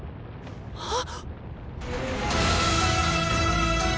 あっ！